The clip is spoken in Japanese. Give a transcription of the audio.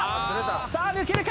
さあ抜けるか？